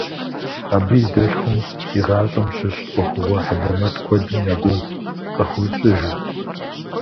Абы и дэлъхум и гъащӏэм щыщ ӏуэхугъуэ хьэлэмэт куэдым я гугъу къыхуищӏыжырт.